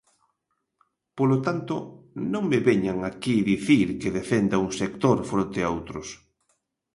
Polo tanto, non me veñan aquí dicir que defenda un sector fronte aos outros.